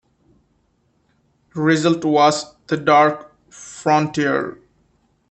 Result was "The Dark Frontier".